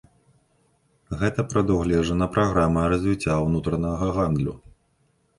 Гэта прадугледжана праграмай развіцця ўнутранага гандлю.